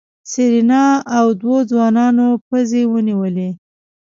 سېرېنا او دوو ځوانانو پزې ونيولې.